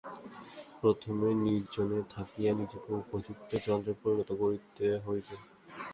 প্রথমে নির্জনে থাকিয়া নিজেকে উপযুক্ত যন্ত্রে পরিণত করিতে হইবে।